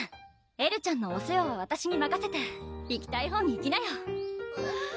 エルちゃんのお世話はわたしにまかせて行きたいほうに行きなよ！